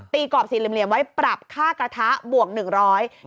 ตีกรอบสีเหลี่ยมเหลี่ยมไว้ปรับค่ากระทะบวกหนึ่งร้อยอืม